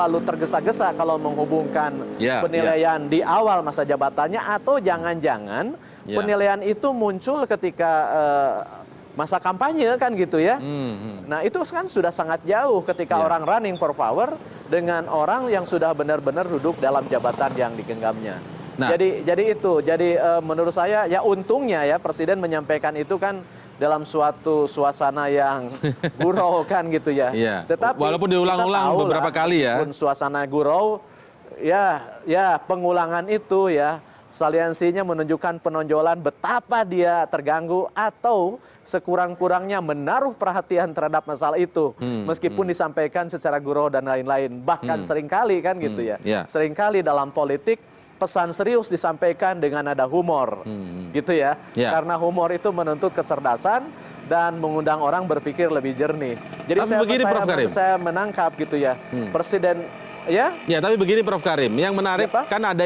lebih jernih jadi saya menangkap gitu ya presiden ya ya tapi begini prof karim yang menarikkan ada